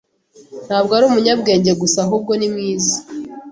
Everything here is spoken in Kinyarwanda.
Ntabwo ari umunyabwenge gusa ahubwo ni mwiza.